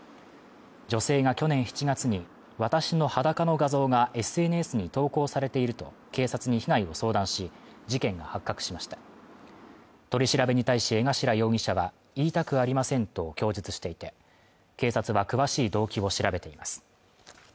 女性が去年７月に私の裸の画像がＳＮＳに投稿されていると警察に被害を相談し事件が発覚しました取り調べに対し江頭容疑者は言いたくありませんと供述していて警察は詳しい動機を調べています